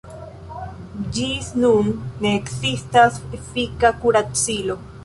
Ĝis nun ne ekzistas efika kuracilo.